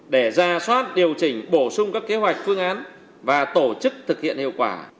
để ra soát điều chỉnh bổ sung các kế hoạch phương án và tổ chức thực hiện hiệu quả